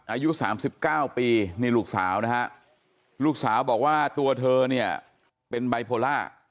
อายุ๓๙ปีนี่ลูกสาวนะฮะลูกสาวบอกว่าตัวเธอเนี่ยเป็นไบโพล่า